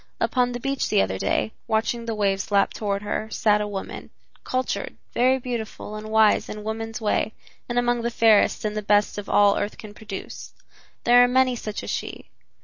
Upon the beach the other day, watching the waves lap toward her, sat a woman, cultured, very beautiful and wise in woman's way and among the fairest and the best of all earth can produce. There are many such as she.